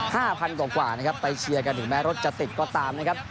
พันกว่ากว่านะครับไปเชียร์กันถึงแม้รถจะติดก็ตามนะครับ